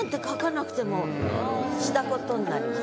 した事になります。